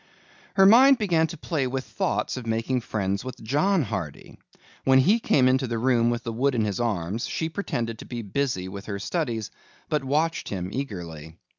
Her mind began to play with thoughts of making friends with John Hardy. When he came into the room with the wood in his arms, she pretended to be busy with her studies but watched him eagerly.